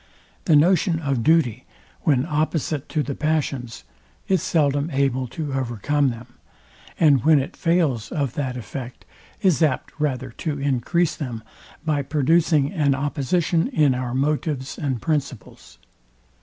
The notion of duty, when opposite to the passions, is seldom able to overcome them; and when it fails of that effect, is apt rather to encrease them, by producing an opposition in our motives and principles.